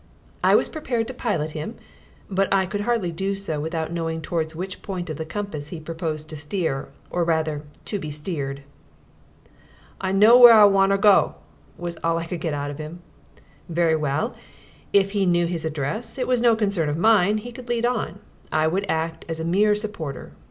I was prepared to pilot him but I could hardly do so without knowing towards which point of the compass he proposed to steer, or rather, to be steered. "I know w'ere I wanter go," was all I could get out of him. Very well; if he knew his address, it was no concern of mine; he could lead on; I would act as a mere supporter.